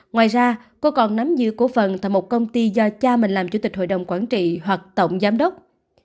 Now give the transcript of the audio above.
ngoài ra cô còn nắm giữ cổ phần tại một công ty do cha mình làm chủ tịch hội đồng quản trị hoặc tổng giám đốc